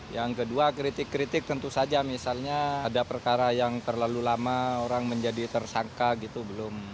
yang kedua kritik kritik tentu saja misalnya ada perkara yang terlalu lama orang menjadi tersangka gitu belum